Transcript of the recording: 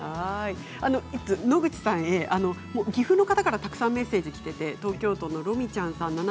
野口さんへ岐阜の方からたくさんメッセージがきています、東京都の方です。